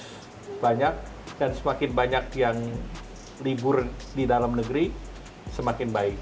semakin banyak dan semakin banyak yang libur di dalam negeri semakin baik